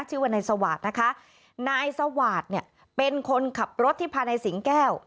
ชื่อว่านายสวาสตร์นะคะนายสวาสตร์เนี่ยเป็นคนขับรถที่พานายสิงแก้ว